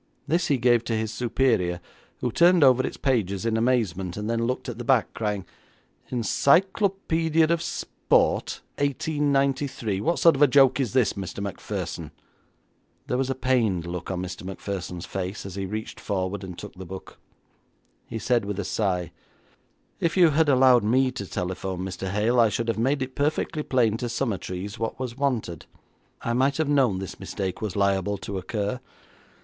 This he gave to his superior, who turned over its pages in amazement, and then looked at the back, crying, 'Encyclopaedia of Sport, 1893! What sort of a joke is this, Mr. Macpherson?' There was a pained look on Mr. Macpherson's face as he reached forward and took the book. He said with a sigh, 'If you had allowed me to telephone, Mr. Hale, I should have made it perfectly plain to Summertrees what was wanted. I might have known this mistake was liable to occur.